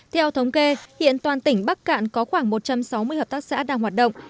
theo thống kê hiện toàn tỉnh bắc cạn có khoảng một trăm sáu mươi hợp tác xã đang hoạt động